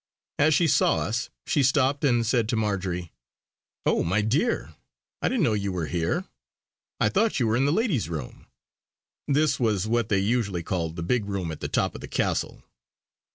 As she saw us she stopped and said to Marjory: "Oh! my dear, I didn't know you were here. I thought you were in the ladies' room." This was what they usually called the big room at the top of the castle.